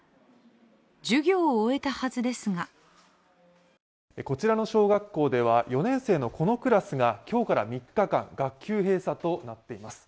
授業を終えたはずですがこちらの小学校では４年生のこのクラスが今日から３日間、学級閉鎖となっています。